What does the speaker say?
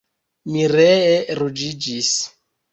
Mi ree ruĝiĝis.